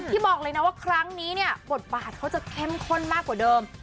บอกเลยนะว่าครั้งนี้เนี่ยบทบาทเขาจะเข้มข้นมากกว่าเดิม